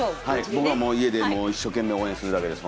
僕は家で一生懸命応援するだけです。